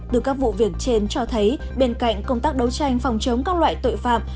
từ các vụ việc trên cho thấy bên cạnh công tác đấu tranh phòng chống các loại tội phạm